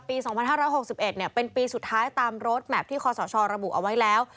ปี๒๕๖๑เป็นปีสุดท้ายตามรถแมพที่คอสชระบุเอาไว้แล้ว